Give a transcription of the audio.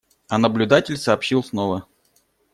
А наблюдатель сообщил снова.